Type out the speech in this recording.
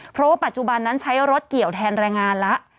เพราะว่าปัจจุบันนั้นใช้รถเกี่ยวแทนแรงงานแล้ว